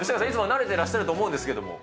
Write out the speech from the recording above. いつも慣れてらっしゃると思うんですけど。